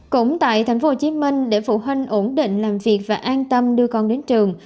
cũng tại tp hcm để phụ huynh ổn định làm việc và an tâm đưa con đến trường